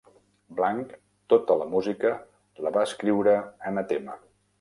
Blanc, tota la música la va escriure Anathema.